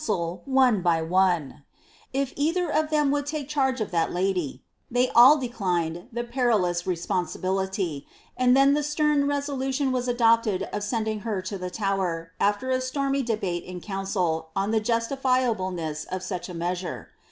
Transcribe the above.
her conndil, one hj one, " if either of them would take charge of that kdjJ* They all declined the perilous responsibility, and then the stem pnolntion was adopted of sending her to the Tower,* after a stormy do baia in ocMincil on the justifkibleness of such a measure.